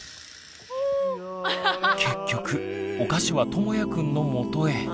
結局お菓子はともやくんのもとへ。